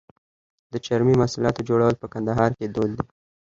د چرمي محصولاتو جوړول په کندهار کې دود دي.